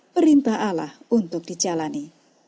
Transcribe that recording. perintah allah untuk dijalani